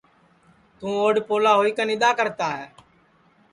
توں اوڈؔ پولا ہوئی کن اِدؔا کرتا ہے